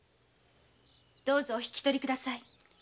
どうぞお引き取り下さい。